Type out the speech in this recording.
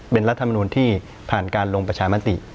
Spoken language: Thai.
เป็นรัฐมนูลที่ผ่านการลงประชามติ